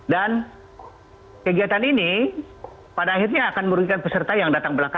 dan kegiatan ini pada akhirnya akan merugikan peserta yang datang belakangnya